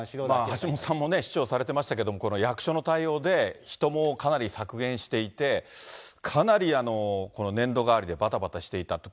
橋下さんも市長されてましたけれども、役所の対応で、人もかなり削減していて、かなり年度変わりでばたばたしていたと。